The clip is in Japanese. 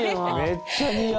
めっちゃ似合う。